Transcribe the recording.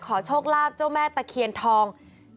โชคลาภเจ้าแม่ตะเคียนทอง